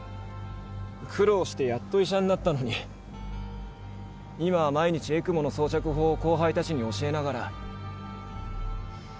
苦労してやっと医者になったのに今は毎日ＥＣＭＯの装着法を後輩たちに教えながら。